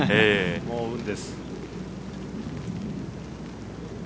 もう運です。